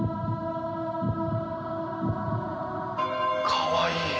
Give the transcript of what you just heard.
かわいい！